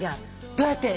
どうやって。